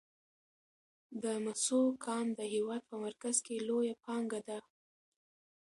د مسو کان د هیواد په مرکز کې لویه پانګه ده.